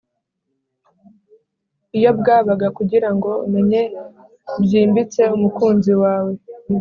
iyo bwabaga kugirango umenye byimbitse umukunzi wawe.